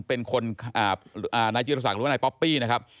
เป็นคนนายจิตรศักดิ์หรือว่านายป๊อปปี้นะครับ